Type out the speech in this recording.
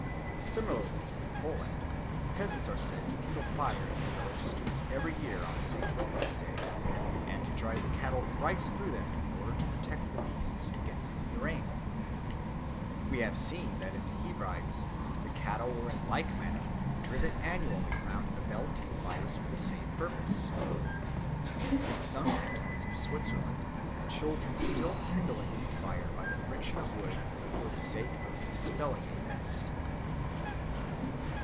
Similarly in Poland the peasants are said to kindle fires in the village streets every year on St. Rochus's day and to drive the cattle thrice through them in order to protect the beasts against the murrain. We have seen that in the Hebrides the cattle were in like manner driven annually round the Beltane fires for the same purpose. In some cantons of Switzerland children still kindle a need fire by the friction of wood for the sake of dispelling a mist.